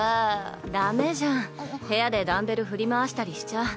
ダメじゃん部屋でダンベル振り回したりしちゃ。